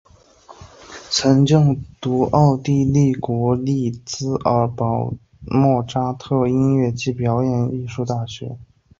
曾就读奥地利国立萨尔兹堡莫札特音乐暨表演艺术大学。